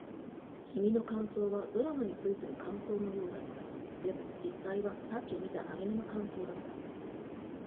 君の感想はドラマについての感想のようだった。でも、実際はさっき見たアニメの感想だった。